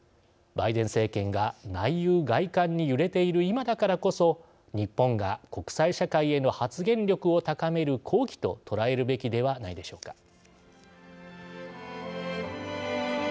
バイデン政権が内憂外患に揺れている今だからこそ日本が国際社会への発言力を高める好機と捉えるべきではないでしょうか。